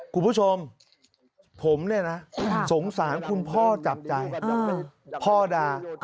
คุณผู้ชมผมเนี่ยนะสงสารคุณพ่อจับใจพ่อด่า